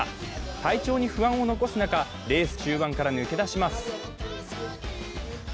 体調に不安を残す中、レース中盤から抜け出します。